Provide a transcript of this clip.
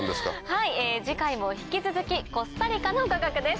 はい次回も引き続きコスタリカの科学です。